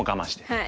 はい。